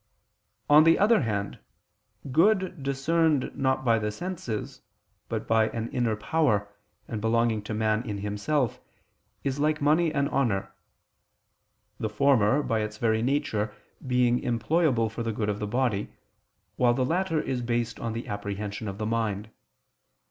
On the other hand, good discerned not by the senses, but by an inner power, and belonging to man in himself, is like money and honor; the former, by its very nature, being employable for the good of the body, while the latter is based on the apprehension of the mind.